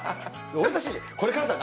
俺たち、これからだな。